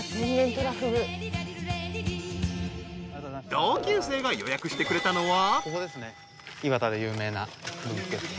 ［同級生が予約してくれたのは］ここですね。